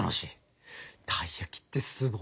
たい焼きってすごいな。